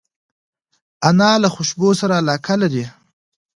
انا له خوشبو سره علاقه لري